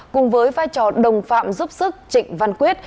cùng với vai trò đồng phạm giúp sức trịnh văn quyết